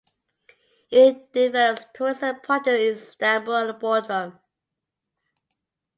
Eren develops tourism projects in Istanbul and Bodrum.